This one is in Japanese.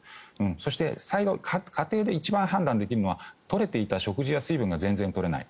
そして家庭で一番判断できるのは取れていた食事や水分が全然取れない。